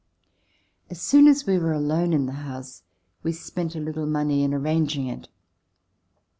As soon as we were alone in the house, we spent a little money in arranging it.